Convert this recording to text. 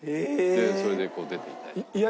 それで出ていて。